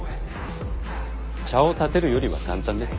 茶をたてるよりは簡単です。